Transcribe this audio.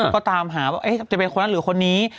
ก็ตามหาว่าจะเป็นคนนั้นหรือคนนี้